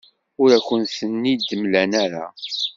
Ur akent-tent-id-mlan ara.